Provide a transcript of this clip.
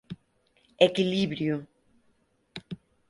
Equilibrio.